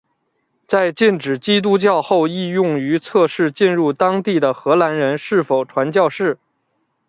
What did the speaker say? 在禁止基督教后亦用于测试进入当地的荷兰人是否传教士。